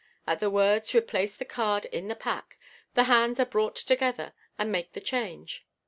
At the words "replace the card in the pack," the hands are brought together, and make the change.